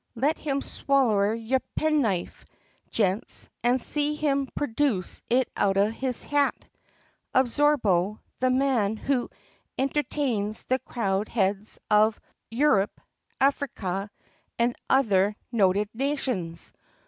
Let him swaller your penknife, gents, and see him projuce it outa his hat. Absorbo — the man who en tuh tains the crowned heads o' Yur rup, Af a rika, an' othuh noted nations!